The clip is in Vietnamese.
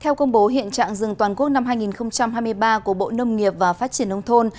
theo công bố hiện trạng rừng toàn quốc năm hai nghìn hai mươi ba của bộ nông nghiệp và phát triển nông thôn